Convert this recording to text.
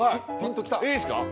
いいですか？